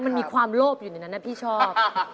มันมีความโลภอยู่ในนั้นนะพี่ชอบ